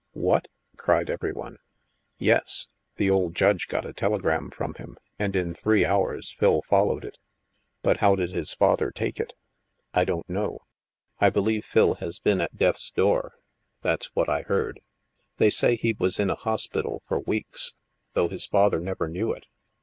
What? " cried every one. Yes. The old Judge got a telegram from him, and in three hours Phil followed it." " But how did his father take it? "" I don't know. I believe Phil has been at death's door. That's what I heard. They say he was in a hospital for weeks, though his father never knew it.